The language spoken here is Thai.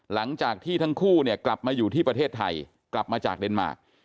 หลังจากที่ทั้งคู่เนี่ยกลับมาอยู่ที่ประเทศไทยกลับมาจากเดนมาร์